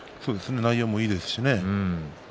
内容もいいですしね。